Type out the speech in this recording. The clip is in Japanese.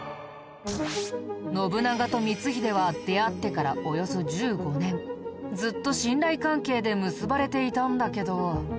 信長と光秀は出会ってからおよそ１５年ずっと信頼関係で結ばれていたんだけど。